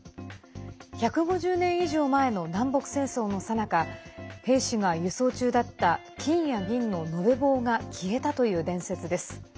１５０年以上前の南北戦争のさなか兵士が輸送中だった金や銀の延べ棒が消えたという伝説です。